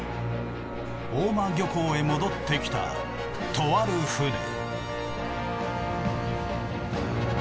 大間漁港へ戻ってきたとある船。